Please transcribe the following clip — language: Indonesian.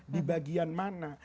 di bagian mana